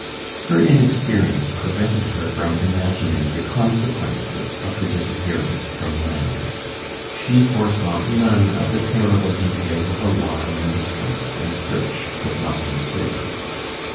Her inexperience prevented her from imagining the consequences of her disappearance from the Manor; she foresaw none of the terrible details of alarm and distress and search that must ensue.